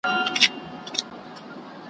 دا پوښتنه له طبیب څخه کومه ,